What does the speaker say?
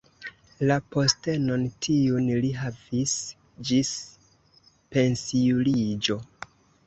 La postenon tiun li havis ĝis pensiuliĝo.